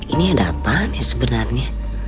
ini ada apaan ya sebenarnya